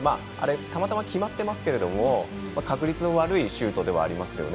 たまたま決まっていますけれども確率の悪いシュートではありますよね。